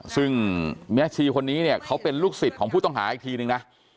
ซึ่งแม่ชีคนนี้เนี่ยเขาเป็นลูกศิษย์ของผู้ต้องหาอีกทีนึงนะ